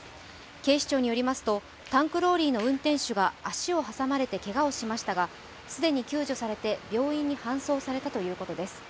警視庁によりますとタンクローリーの運転手は足を挟まれてけがをしましたが既に救助されて病院に搬送されたということです。